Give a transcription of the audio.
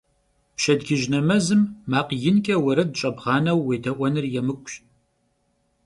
Pşedcıj nemezım makh yinç'e vuered ş'ebğaneu vuêde'uenır yêmık'uş.